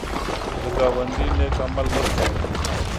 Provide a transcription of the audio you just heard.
د ګاونډي نېک عمل وستایه